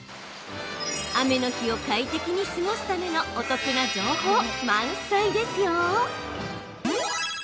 雨の日を快適に過ごすためのお得な情報、満載ですよ。